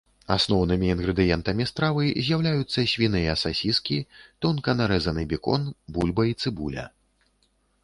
Асноўнымі інгрэдыентамі стравы з'яўляюцца свіныя сасіскі, тонка нарэзаны бекон, бульба і цыбуля.